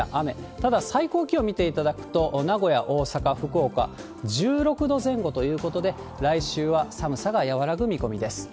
ただ、最高気温見ていただくと、名古屋、大阪、福岡、１６度前後ということで、来週は寒さが和らぐ見込みです。